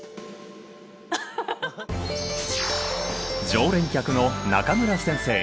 常連客の中村先生。